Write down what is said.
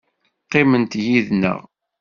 Qqimemt yid-nneɣ.